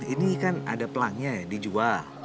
ini kan ada pelangnya ya dijual